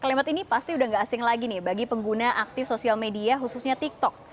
kalimat ini pasti udah gak asing lagi nih bagi pengguna aktif sosial media khususnya tiktok